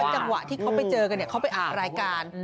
จังหวะที่เขาไปเจอกันเขาไปอัดรายการ